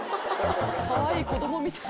かわいい子供みたい。